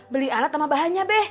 beli alat sama bahannya deh